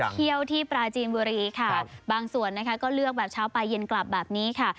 เที่ยวที่ปราจีนบุรีค่ะบางส่วนนะคะก็เลือกแบบเช้าปลายเย็นกลับแบบนี้ค่ะ